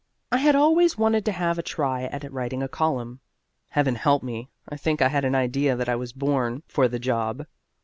I had always wanted to have a try at writing a column. Heaven help me, I think I had an idea that I was born for the job.